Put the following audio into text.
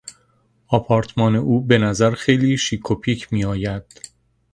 آپارتمان او به نظر خیلی شیک و پیک میآید.